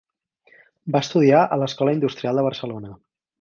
Va estudiar a l'Escola Industrial de Barcelona.